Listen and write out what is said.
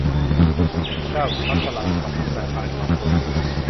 เก้า สุภัสสรา กับพัฒนาการความสวย